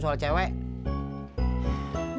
selalu tetap dipercaya